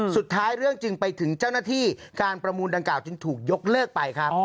เรื่องจึงไปถึงเจ้าหน้าที่การประมูลดังกล่าจึงถูกยกเลิกไปครับ